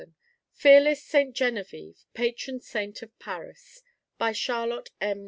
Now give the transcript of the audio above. FEARLESS SAINT GENEVIEVE, PATRON SAINT OF PARIS By Charlotte M.